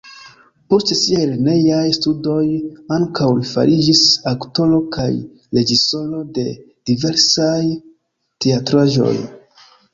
Post siaj lernejaj studoj ankaŭ li fariĝis aktoro kaj reĝisoro de diversaj teatraĵoj.